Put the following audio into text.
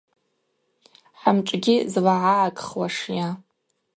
Хӏымшӏгьи злагӏагӏагхуашйа?